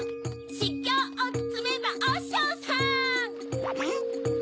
しゅぎょうをつめばおしょうさんん？